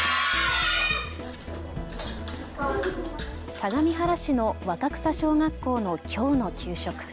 相模原市の若草小学校のきょうの給食。